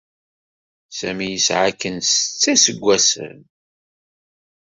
Sami yesɛa akken setta iseggasen.